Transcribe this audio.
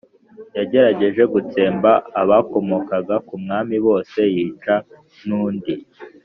Yagerageje gutsemba abakomokaga ku mwami bose yica n undi